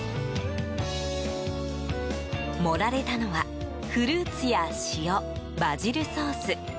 盛られたのはフルーツや塩、バジルソース。